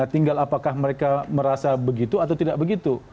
tinggal apakah mereka merasa begitu atau tidak begitu